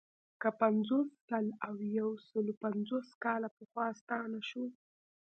که پنځوس، سل او یو سلو پنځوس کاله پخوا ستانه شو.